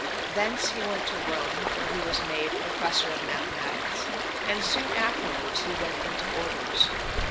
Thence he went to Rome, where he was made Professor of Mathematics; and soon afterwards he went into orders.